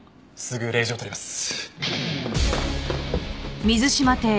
すぐ令状を取ります。